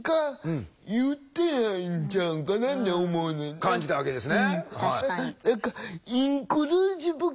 感じたわけですね。